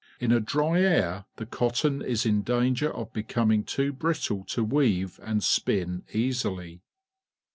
In a dry air the cotton is in danger of becoming too brittle to weave and spin easily.